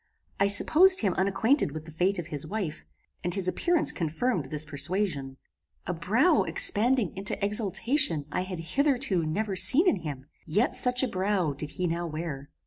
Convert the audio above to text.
I supposed him unacquainted with the fate of his wife, and his appearance confirmed this persuasion. A brow expanding into exultation I had hitherto never seen in him, yet such a brow did he now wear.